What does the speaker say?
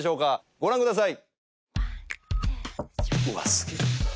ご覧ください。